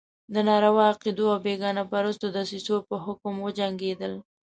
د ناروا عقدو او بېګانه پرستو دسیسو په حکم وجنګېدل.